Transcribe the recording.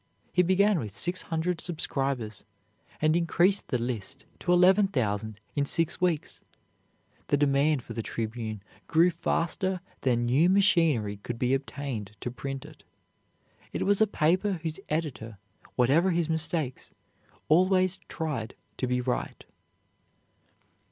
He began with six hundred subscribers, and increased the list to eleven thousand in six weeks. The demand for the "Tribune" grew faster than new machinery could be obtained to print it. It was a paper whose editor, whatever his mistakes, always tried to be right.